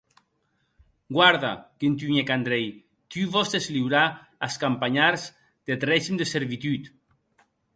Guarda, contunhèc Andrei, tu vòs desliurar as campanhards deth regim de servitud.